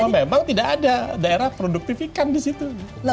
memang tidak ada daerah produktifikan di situ